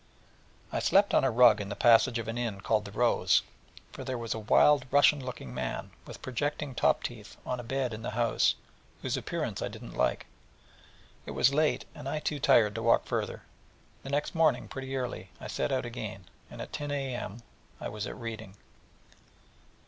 I slept on a rug in the passage of an inn called The Rose, for there was a wild, Russian looking man, with projecting top teeth, on a bed in the house, whose appearance I did not like, and it was late, and I too tired to walk further; and the next morning pretty early I set out again, and at 10 A.M. was at Reading.